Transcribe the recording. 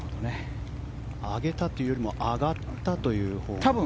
上げたというよりも上がったというほうが。